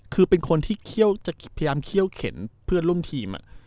คือเป็นคนที่เคี่ยวจะพยายามเคี่ยวเข็นเพื่อนร่วมทีมอ่ะ